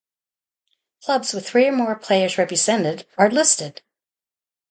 Clubs with three or more players represented are listed.